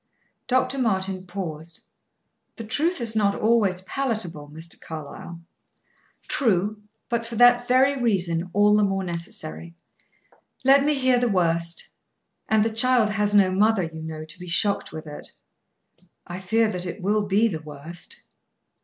Dr. Martin paused. "The truth is not always palatable, Mr. Carlyle." "True. But for that very reason, all the more necessary. Let me hear the worst. And the child has no mother, you know, to be shocked with it." "I fear that it will be the worst."